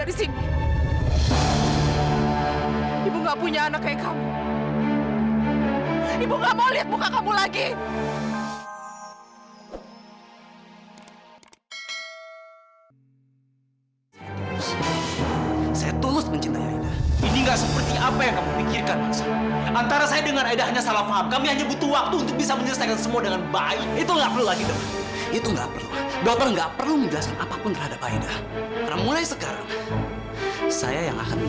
ibu gak mau lihat muka kamu lagi